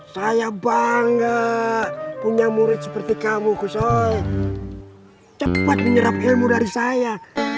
saya bangga punya murid seperti kamu kuso cepat menyerap ilmu dari saya